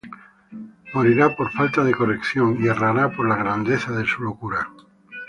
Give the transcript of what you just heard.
El morirá por falta de corrección; Y errará por la grandeza de su locura.